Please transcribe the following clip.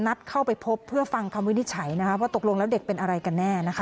นัดเข้าไปพบเพื่อฟังคำวินิจฉัยนะคะว่าตกลงแล้วเด็กเป็นอะไรกันแน่นะคะ